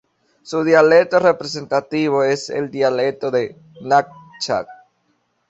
Su dialecto representativo es el dialecto de Nanchang.